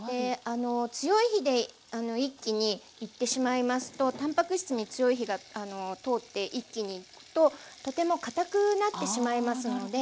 強い火で一気にいってしまいますとたんぱく質に強い火が通って一気にいくととてもかたくなってしまいますので。